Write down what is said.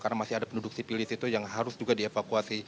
karena masih ada penduduk sipil di situ yang harus juga dievakuasi